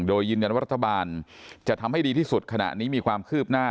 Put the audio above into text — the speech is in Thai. โดยยืนยันว่ารัฐบาลจะทำให้ดีที่สุดขณะนี้มีความคืบหน้า